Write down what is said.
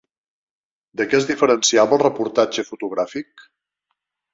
De què es diferenciava el reportatge fotogràfic?